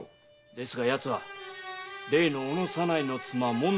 ですが奴は例の小野左内の妻・もんの弟。